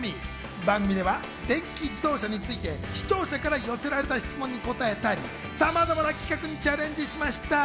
番組では電気自動車について視聴者から寄せられた質問に答えたり、さまざまな企画にチャレンジしました。